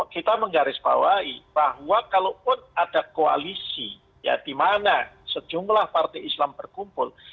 kita menggarisbawahi bahwa kalaupun ada koalisi ya di mana sejumlah partai islam berkumpul